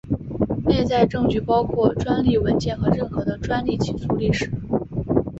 内在证据包括专利文件和任何的专利起诉历史。